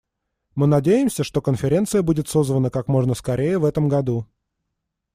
Мы надеемся, что конференция будет созвана как можно скорее в этом году.